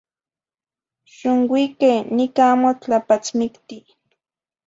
Xonuique, nican amo tlapatzmicti.